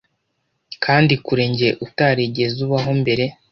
kandi kuri njye utarigeze abaho mbere